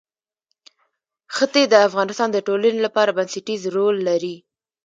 ښتې د افغانستان د ټولنې لپاره بنسټيز رول لري.